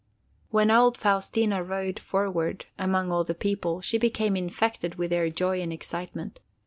When old Faustina rode forward among all the people, she became infected with their joy and excitement.